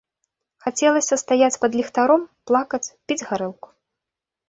Хацелася стаяць пад ліхтаром, плакаць, піць гарэлку.